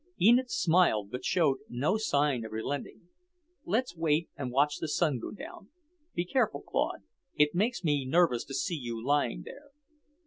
Enid smiled, but showed no sign of relenting. "Let's wait and watch the sun go down. Be careful, Claude. It makes me nervous to see you lying there."